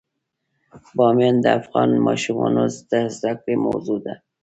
بامیان د افغان ماشومانو د زده کړې موضوع ده.